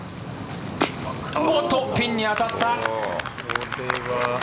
おっと、ピンに当たった。